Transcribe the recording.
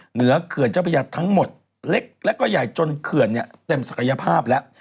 เขื่อนเจ้าพระยาทั้งหมดเล็กแล้วก็ใหญ่จนเขื่อนเนี่ยเต็มศักยภาพแล้ว